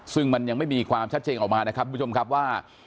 ซึ่งมันยังไม่มีความชัดเจนออกมานะครับทุกผู้ชมครับว่า